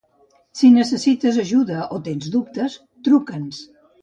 si necessites ajuda o tens dubtes, truca'ns